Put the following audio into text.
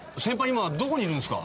今どこにいるんですか？